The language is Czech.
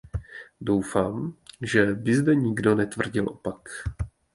Doufám, že by zde nikdo netvrdil opak.